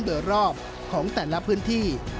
โดยรอบของแต่ละพื้นที่